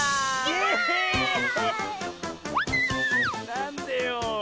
なんでよ。